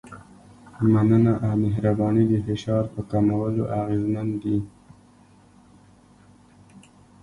مننه او مهرباني د فشار په کمولو اغېزمن دي.